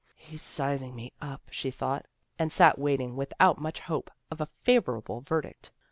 " He's sizing me up," she thought, and sat waiting without much hope of a favorable verdict.